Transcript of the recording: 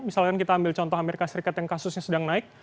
misalkan kita ambil contoh amerika serikat yang kasusnya sedang naik